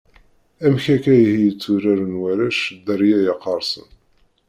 Amek akka ihi i tturaren warrac Dderya iqersen ?